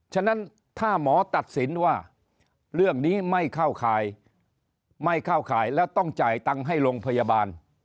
ฉะนั้นถ้าหมอตัดสินว่าเรื่องนี้ไม่เข้าข่ายไม่เข้าข่ายแล้วต้องจ่ายตังค์ให้โรงพยาบาล